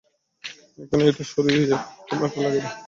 এখানে এটা সরিয়ে তোমারটা লাগিয়ে দিব?